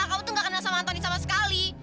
kamu tuh gak kenal sama antoni sama sekali